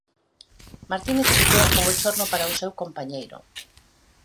Martínez evitou o bochorno para o seu compañeiro.